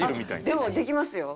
でもできますよ。